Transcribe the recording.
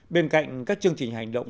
bên cạnh các chương trình hành động